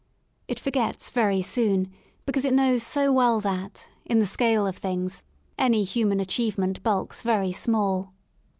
It forgets very soon, because it knows so well that, in the scale of things, any human achievement bulks very small.